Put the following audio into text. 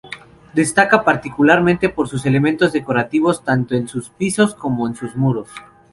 Destaca particularmente por sus elementos decorativos tanto en sus pisos como en sus muros.